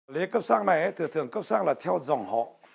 lễ cấp sắc này thường cấp xác là theo dòng họ